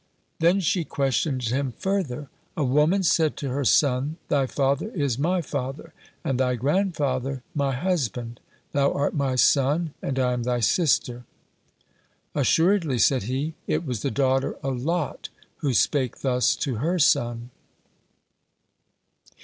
Then she questioned him further: "A woman said to her son, thy father is my father, and thy grandfather my husband; thou art my son, and I am thy sister." "Assuredly," said he, "it was the daughter of Lot who spake thus to her son."